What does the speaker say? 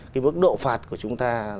cái mức độ phạt của chúng ta